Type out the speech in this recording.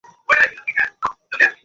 আর যথাযথভাবে ইবাদতও তারা আঞ্জাম দেয়নি।